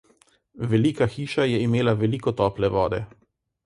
Velika hiša je imela veliko tople vode.